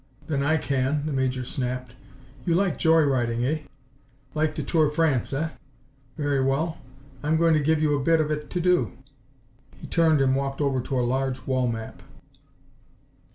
"Then I can!" the Major snapped. "You like joy riding, eh? Like to tour France, eh? Very well, I'm going to give you a bit of it to do." He turned and walked over to a large wall map.